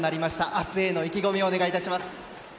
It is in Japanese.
明日への意気込みをお願い致します。